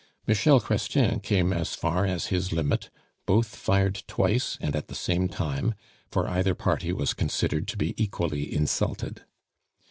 Michel Chrestien came as far as his limit; both fired twice and at the same time, for either party was considered to be equally insulted.